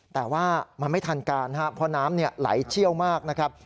แต่ว่ามันไม่ทันการครับเพราะน้ำไหลเชี่ยวมากนะครับ